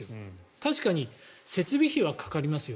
確かに設備費はかかりますよ。